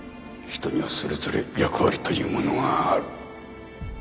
人にはそれぞれ役割というものがある。